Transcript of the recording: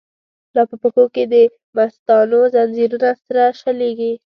لا په پښو کی دمستانو، ځنځیرونه سره شلیږی